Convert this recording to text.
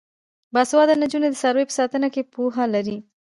باسواده نجونې د څارویو په ساتنه کې پوهه لري.